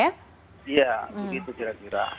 iya begitu kira kira